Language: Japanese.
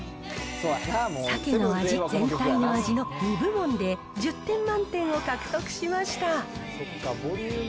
サケの味、全体の味の２部門で、１０点満点を獲得しました。